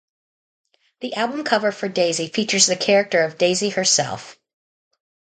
The album cover for Daisy features the character of Daisy herself.